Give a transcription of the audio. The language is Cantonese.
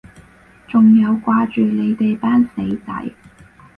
仲有掛住你哋班死仔